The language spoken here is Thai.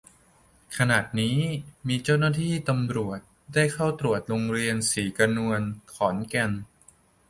ขณะนี้มีเจ้าหน้าที่ตำรวจได้เข้าตรวจโรงเรียนศรีกระนวน ขอนแก่น